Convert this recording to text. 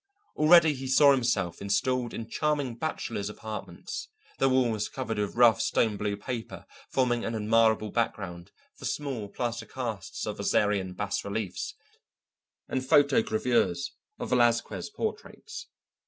Already he saw himself installed in charming bachelor's apartments, the walls covered with rough stone blue paper forming an admirable background for small plaster casts of Assyrian bas reliefs and photogravures of Velasquez portraits.